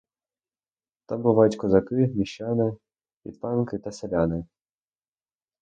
Там бувають козаки, міщани, підпанки та селяни.